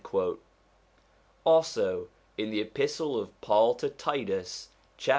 Also in the Epistle of Paul to Titus, chap.